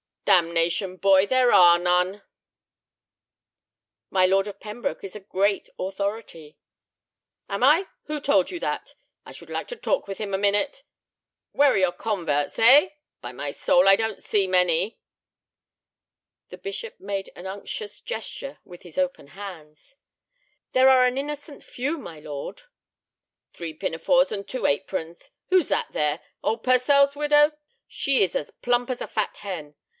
"Damnation, boy, there are none!" "My Lord of Pembroke is a great authority." "Am I? Who told you that? I should like to talk with him a minute. Where are your converts, eh? By my soul, I don't see many!" The bishop made an unctuous gesture with his open hands. "There are an innocent few, my lord." "Three pinafores and two aprons! Who's that there—old Purcell's widow? She is as plump as a fat hen!